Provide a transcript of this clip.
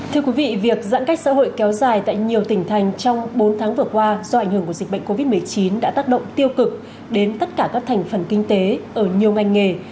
thưa quý vị việc giãn cách xã hội kéo dài tại nhiều tỉnh thành trong bốn tháng vừa qua do ảnh hưởng của dịch bệnh covid một mươi chín đã tác động tiêu cực đến tất cả các thành phần kinh tế ở nhiều ngành nghề